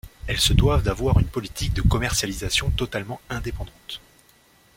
Elles se doivent d'avoir une politique de commercialisation totalement indépendante.